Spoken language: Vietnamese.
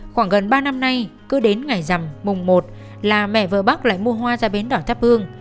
khoảng gần ba năm nay cứ đến ngày rằm mùng một là mẹ vợ bắc lại mua hoa ra bến đỏ thắp hương